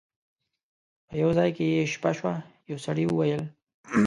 په یو ځای کې یې شپه شوه یو سړي وویل.